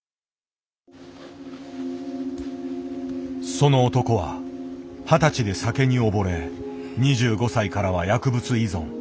その男は二十歳で酒に溺れ２５歳からは薬物依存。